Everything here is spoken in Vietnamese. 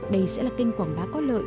đây sẽ là kênh quảng bá có lợi